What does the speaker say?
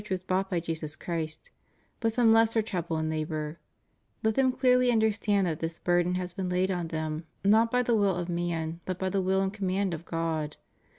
351 was bought by Jesus Christ) but some lesser trouble and labor, let them clearly understand that this burden has been laid on them not by the wiU of man but by the will and command of God.